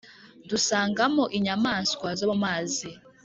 dusangamo inyamaswa zo mu mazi.